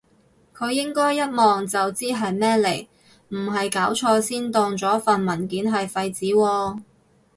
佢應該一望就知係咩嚟，唔係搞錯先當咗份文件係廢紙喎？